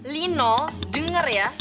lino denger ya